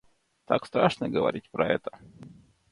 Так страшно говорить про это.